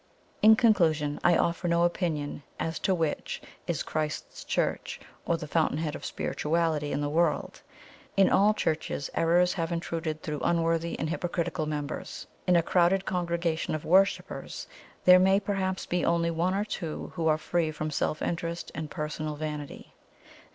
"In conclusion, I offer no opinion as to which is Christ's Church, or the Fountain head of spirituality in the world. In all Churches errors have intruded through unworthy and hypocritical members. In a crowded congregation of worshippers there may perhaps be only one or two who are free from self interest and personal vanity.